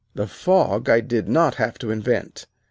The fog I did not have to invent.